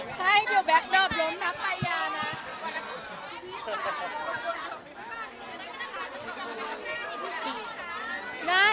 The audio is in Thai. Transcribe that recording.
ใช่เดี๋ยวแบล็คดอร์บล้อมรับไปอย่างนั้น